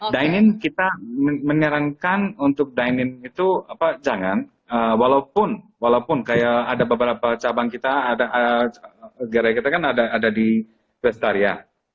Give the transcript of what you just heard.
dining kita menyerangkan untuk dining itu jangan walaupun kayak ada beberapa cabang kita ada gerai kita kan ada di restaria